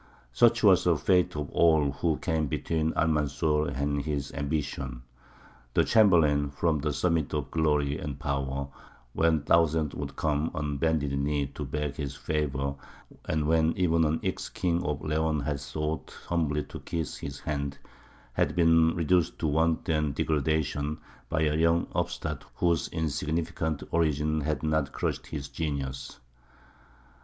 Such was the fate of all who came between Almanzor and his ambition. The chamberlain, from the summit of glory and power, when thousands would come on bended knee to beg his favour, and when even an ex king of Leon had sought humbly to kiss his hand, had been reduced to want and degradation by a young upstart whose insignificant origin had not crushed his genius.